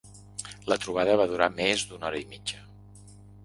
La trobada va durar més d’una hora i mitja.